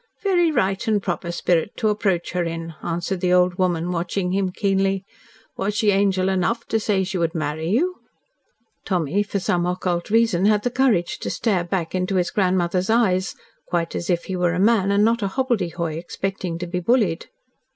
"Very right and proper spirit to approach her in," answered the old woman, watching him keenly. "Was she angel enough to say she would marry you?" Tommy, for some occult reason, had the courage to stare back into his grandmother's eyes, quite as if he were a man, and not a hobbledehoy, expecting to be bullied.